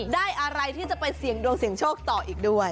ได้อะไรที่จะไปเสี่ยงดวงเสี่ยงโชคต่ออีกด้วย